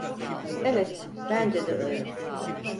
Evet, bence de öyle.